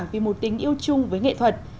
vì một tính yêu chung với nghệ thuật